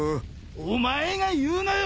お前が言うなよ！